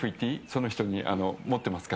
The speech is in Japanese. その人に持ってますか？